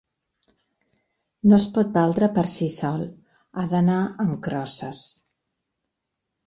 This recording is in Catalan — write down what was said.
No es pot valdre per si sol, ha d'anar amb crosses.